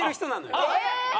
えっ！